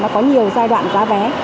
có nhiều giai đoạn giá vé